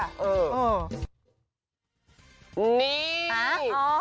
อ่ะเมียหรือลูกอ่ะ